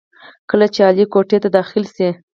کله چې علي کوټې ته داخل شي،